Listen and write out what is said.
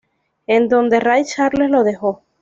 Es donde Ray Charles lo dejó.